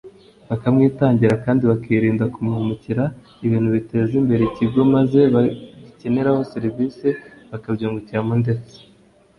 bakamwitangira kandi bakirinda kumuhemukira ibintu biteza imbere ikigo maze abagikeneraho serivisi bakabyungukiramo ndetse bakakiyoboka ari benshi